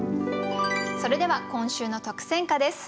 それでは今週の特選歌です。